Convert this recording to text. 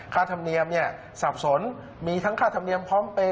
ธรรมเนียมสับสนมีทั้งค่าธรรมเนียมพร้อมเปย